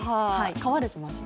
飼われてました？